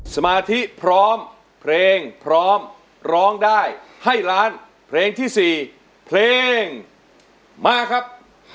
สมาธิพร้อมเพลงพร้อมร้องได้ให้ล้านเพลงที่๔เพลงมาครับ